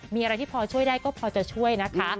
มีอะไรที่พอช่วยได้ก็พอจะช่วยนะคะ